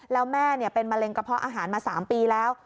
แล้วแม่เป็นมะเร็งกระเพาะอาหารมา๓ปีแล้ว